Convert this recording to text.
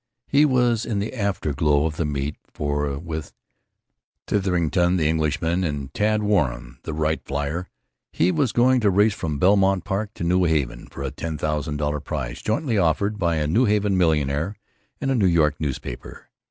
He was in the afterglow of the meet, for with Titherington, the Englishman, and Tad Warren, the Wright flier, he was going to race from Belmont Park to New Haven for a ten thousand dollar prize jointly offered by a New Haven millionaire and a New York newspaper.